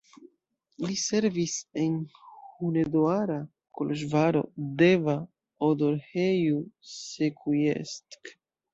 Li servis en Hunedoara, Koloĵvaro, Deva, Odorheiu Secuiesc.